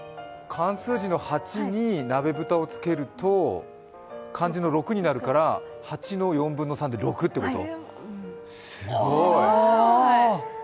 漢数字の８になべぶたをつけると漢数字の６になるから８の４分の３で６ってこと。